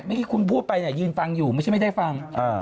เมื่อกี้คุณพูดไปเนี่ยยืนฟังอยู่ไม่ใช่ไม่ได้ฟัง